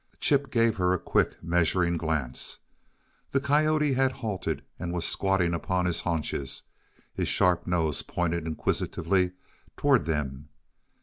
Chip gave her a quick, measuring glance. The coyote had halted and was squatting upon his haunches, his sharp nose pointed inquisitively toward them.